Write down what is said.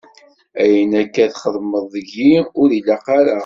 Ayen akka i txedmeḍ deg-i, ur ilaq ara.